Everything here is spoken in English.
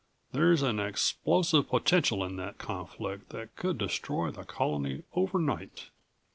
There's an explosive potential in that conflict that could destroy the colony overnight."